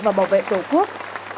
và bảo vệ tổ quốc